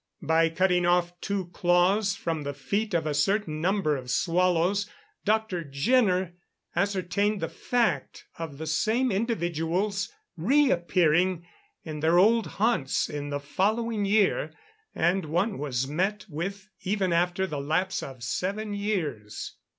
By cutting off two claws from the feet of a certain number of swallows, Dr. Jenner ascertained the fact of the same individuals re appearing in their old haunts in the following year, and one was met with even after the lapse of seven years.